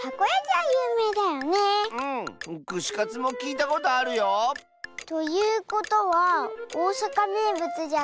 くしカツもきいたことあるよ！ということはおおさかめいぶつじゃないのは。